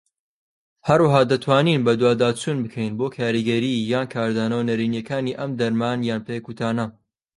هەروەها دەتوانین بەدواداچوون بکەین بۆ کاریگەریی یان کاردانەوە نەرێنیەکانی ئەم دەرمان یان پێکوتانە.